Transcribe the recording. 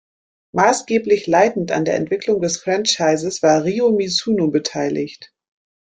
Maßgeblich leitend an der Entwicklung des Franchises war Ryō Mizuno beteiligt.